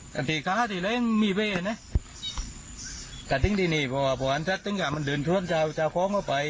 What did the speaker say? กะทิค้าที่นั้นมีเวทน่ะแต่ทิ้งทีนี้พวกอันทัศน์ตึงกับมันเดินทวนเจ้าของเข้าไป